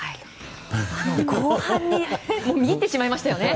見入ってしまいましたよね。